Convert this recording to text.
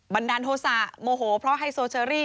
บันดาลโทษะโมโหเพราะไฮโซเชอรี่